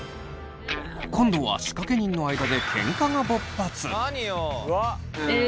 今度は仕掛け人の間でケンカが勃発！